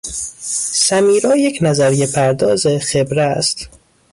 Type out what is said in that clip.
سمیرا یک نظریهپرداز خبره است